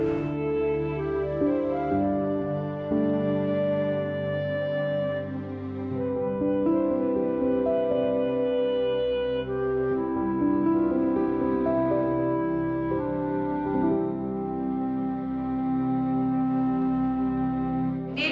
bukan orang lain juli